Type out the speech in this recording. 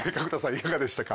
いかがでしたか？